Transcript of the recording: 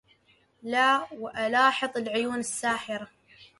لا وألحاظ العيون الساحره